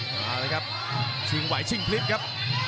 มาเลยครับชิงไหวชิงพลิบครับ